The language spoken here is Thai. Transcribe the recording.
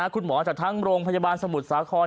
คุณหมอจากทั้งโรงพยาบาลสมุทรสาคร